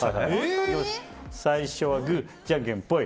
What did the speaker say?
最初はグーじゃんけん、ぽい。